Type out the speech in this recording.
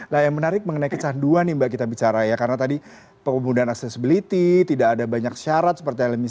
nah yang menarik mengenai kecanduan nih mbak kita bicara ya karena tadi pengumudahan accessibility tidak ada banyak syarat seperti elemen